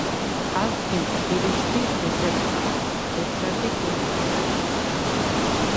ალ სგიმს დირიშდი ეზერდ ხაყა, ლეთრადი გუნ ლჷჴმა̈შ ლი.